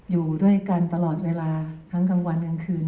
อยู่ด้วยกันตลอดเวลาทั้งกลางวันกลางคืน